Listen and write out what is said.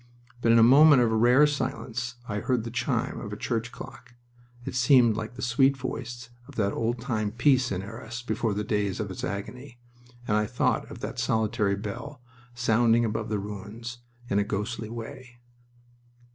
But in a moment of rare silence I heard the chime of a church clock. It seemed like the sweet voice of that old time peace in Arras before the days of its agony, and I thought of that solitary bell sounding above the ruins in a ghostly way.